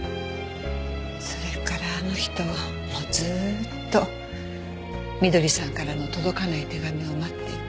それからあの人はもうずーっと翠さんからの届かない手紙を待っていた。